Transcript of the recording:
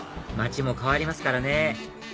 街も変わりますからね